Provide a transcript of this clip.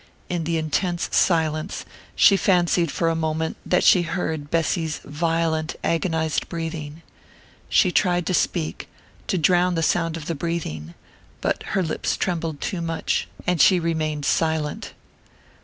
In the intense silence she fancied for a moment that she heard Bessy's violent agonized breathing. She tried to speak, to drown the sound of the breathing; but her lips trembled too much, and she remained silent.